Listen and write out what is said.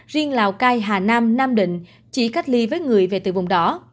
riêng lào cai hà nam nam định chỉ cách ly với người về từ vùng đỏ